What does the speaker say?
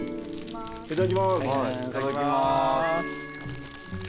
いただきます。